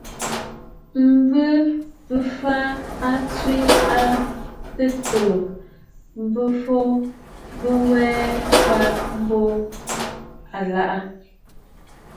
M̀fɔ̀ Bɨ̀fɨɨ̀ à tswe a tɨtɨ̀ɨ bɨ̀fɔ̀ bîwè fàa mbùʼù àlaʼà.